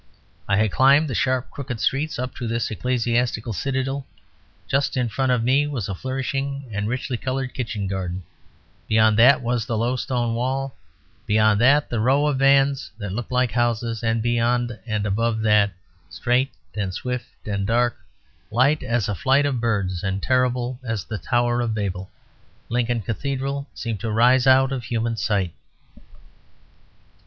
I had climbed the sharp, crooked streets up to this ecclesiastical citadel; just in front of me was a flourishing and richly coloured kitchen garden; beyond that was the low stone wall; beyond that the row of vans that looked like houses; and beyond and above that, straight and swift and dark, light as a flight of birds, and terrible as the Tower of Babel, Lincoln Cathedral seemed to rise out of human sight.